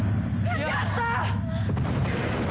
やった！